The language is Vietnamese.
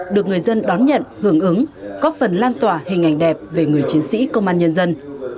được người dân đón nhận hưởng ứng góp phần lan tỏa hình ảnh đẹp về người chiến sĩ công an nhân dân